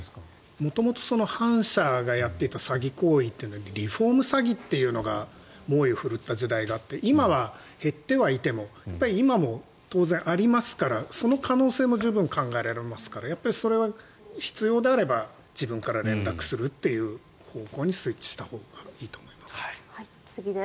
元々反社がやっていた詐欺行為というのはリフォーム詐欺というのが猛威を振るった世代で今は減ってはいても今も当然ありますからその可能性も十分考えられますからそれは必要であれば自分から連絡するという方向にスイッチしたほうがいいと思います。